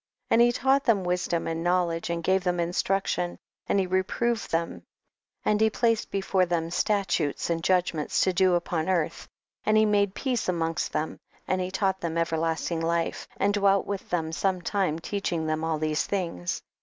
26. And he taught them wisdom and knowledge, and gave them in struction, and he reproved them, and he placed before them statutes and judgments to do upon earth, and he made peace amongst them, and he tauoht them everlastincr life, and dwelt with them some time teaching them all these things.